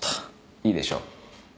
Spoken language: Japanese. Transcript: いいでしょう。